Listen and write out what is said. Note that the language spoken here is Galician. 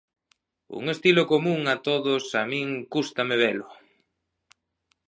Un estilo común a todos a min cústame velo.